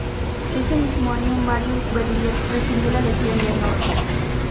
Ese mismo año, Marius Berliet recibió la Legión de Honor.